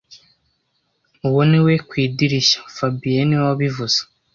Uwo ni we ku idirishya fabien niwe wabivuze